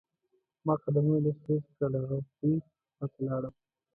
ما قدمونه لږ تیز کړل او هغوی خوا ته لاړم.